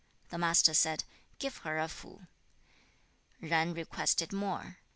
The Master said, 'Give her a fu.' Yen requested more.